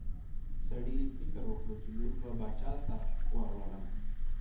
سړي فکر وکړ چې لور به باچا ته ورولم.